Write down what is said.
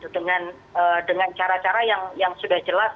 dengan cara cara yang sudah jelas